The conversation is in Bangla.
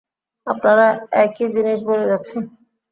আপনারা একই জিনিস বলে যাচ্ছেন।